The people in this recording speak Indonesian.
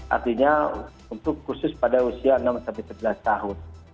artinya untuk khusus pada usia enam sebelas tahun